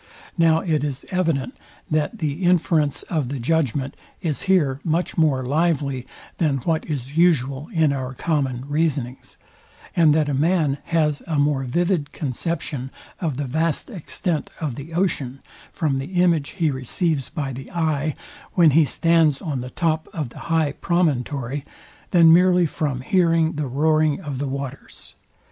Now it is evident, that the inference of the judgment is here much more lively than what is usual in our common reasonings, and that a man has a more vivid conception of the vast extent of the ocean from the image he receives by the eye, when he stands on the top of the high promontory, than merely from hearing the roaring of the waters.